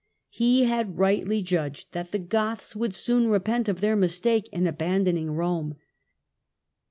He had rightly judged that the Goths would soon repent of their mistake in abandoning Rome.